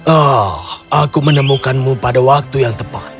ah aku menemukanmu pada waktu yang tepat